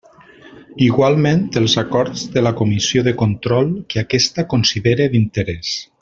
Igualment, els acords de la Comissió de Control que aquesta considere d'interès.